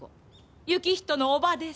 行人の叔母です。